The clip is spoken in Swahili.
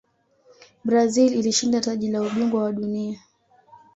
brazil ilishinda taji la ubingwa wa dunia